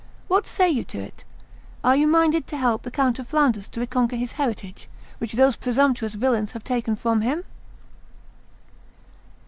What say you to it? Are you minded to help the Count of Flanders to reconquer his heritage, which those presumptuous villains have taken from him?"